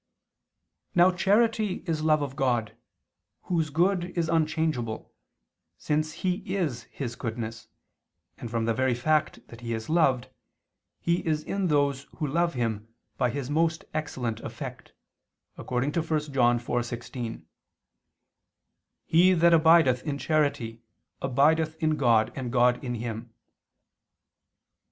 Now charity is love of God, Whose good is unchangeable, since He is His goodness, and from the very fact that He is loved, He is in those who love Him by His most excellent effect, according to 1 John 4:16: "He that abideth in charity, abideth in God, and God in him."